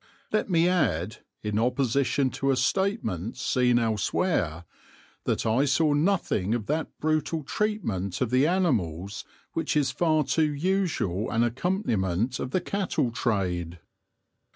Let me add, in opposition to a statement seen elsewhere, that I saw nothing of that brutal treatment of the animals which is far too usual an accompaniment of the cattle trade.